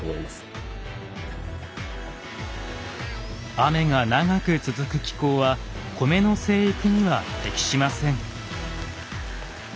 雨が長く続く気候は米の生育には適しません。